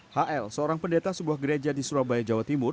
hl seorang pendeta sebuah gereja di surabaya jawa timur